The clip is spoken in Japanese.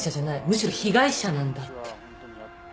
むしろ被害者なんだって。